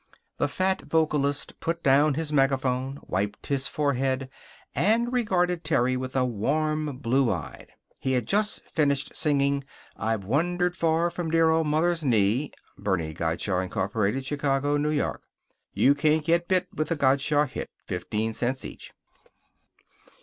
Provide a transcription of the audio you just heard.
The fat vocalist put down his megaphone, wiped his forehead, and regarded Terry with a warm blue eye. He had just finished singing "I've Wandered Far from Dear Old Mother's Knee." (Bernie Gottschalk Inc. Chicago. New York. You can't get bit with a Gottschalk hit. 15 cents each.)